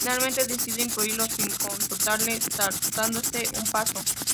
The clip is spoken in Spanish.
Finalmente decide incluirlo sin consultarle, ‘’Saltándose un Paso’’.